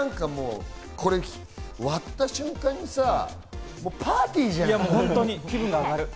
割った瞬間にさ、パーティーじゃん。